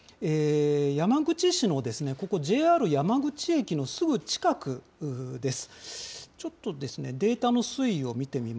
山口市のここ、ＪＲ山口駅のすぐ近くです。